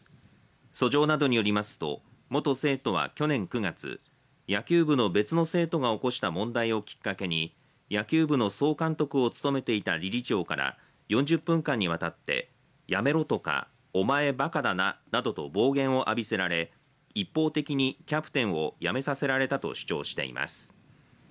訴状などによりますと元生徒は、去年９月野球部の別の生徒が起こした問題をきっかけに野球部の総監督を務めていた理事長から４０分間にわたってやめろとか、お前ばかだななどと暴言を浴びせられ一方的にキャプテンを辞めさせられたと主張しています。